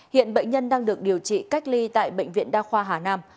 hiện bệnh nhân đang được điều trị cách ly tại bệnh viện đa khoa hà nam